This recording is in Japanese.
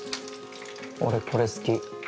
俺これ好き。